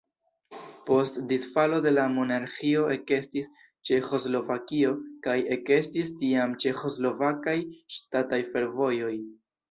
Post disfalo de la monarĥio ekestis Ĉeĥoslovakio kaj ekestis tiam Ĉeĥoslovakaj ŝtataj fervojoj.